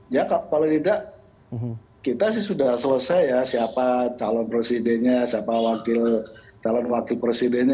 ya kalau tidak kita sih sudah selesai ya siapa calon presidennya siapa calon wakil presidennya